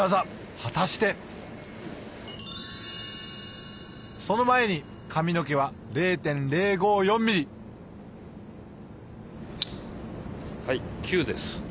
果たしてその前に髪の毛は０．０５４ｍｍはい９です。